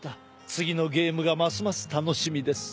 次のゲームがますます楽しみです。